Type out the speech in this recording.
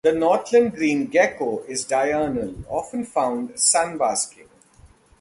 The Northland green gecko is diurnal, often found sun-basking.